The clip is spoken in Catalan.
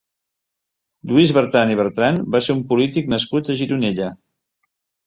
Lluís Bertran i Bertran va ser un polític nascut a Gironella.